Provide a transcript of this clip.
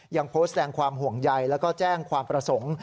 ยังโพสต์แสดงความห่วงใยแล้วก็แจ้งความประสงค์